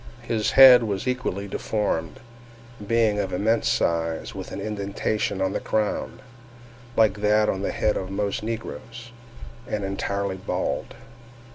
His head was equally deformed, being of immense size, with an indentation on the crown (like that on the head of most negroes), and entirely bald.